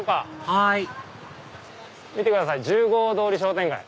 はい見てください「１０号通り商店街」。